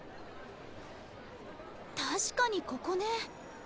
確かにここね。